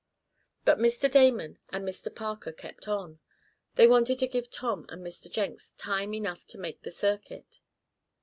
But Mr. Damon and Mr. Parker kept on. They wanted to give Tom and Mr. Jenks time enough to make the circuit.